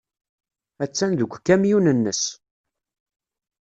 Attan deg ukamyun-nnes.